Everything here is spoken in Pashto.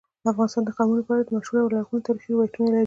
افغانستان د قومونه په اړه مشهور او لرغوني تاریخی روایتونه لري.